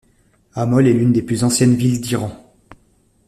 Amol est l'une des plus anciennes villes d'Iran.